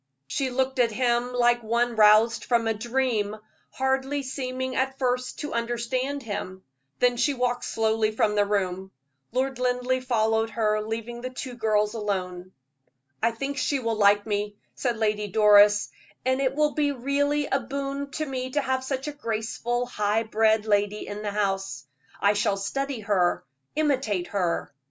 She looked at him like one roused from a dream, hardly seeming at first to understand him; then she walked slowly from the room. Lord Linleigh followed her, leaving the two girls alone. "I think she will like me," said Lady Doris, "and it will be really a boon to me to have such a graceful, high bred lady in the house. I shall study her, imitate her.